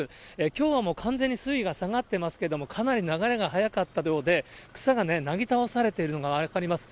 きょうは完全に水位が下がってますけれども、かなり流れが速かったようで、草がね、なぎ倒されているのが分かります。